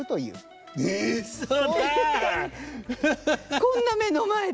こんな目の前で？